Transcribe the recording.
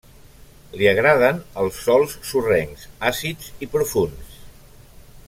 Li agraden els sòls sorrencs, àcids i profunds.